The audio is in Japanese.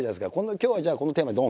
「今日はじゃあこのテーマドン！